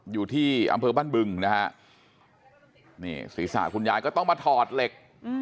อยู่ที่อำเภอบ้านบึงนะฮะนี่ศีรษะคุณยายก็ต้องมาถอดเหล็ก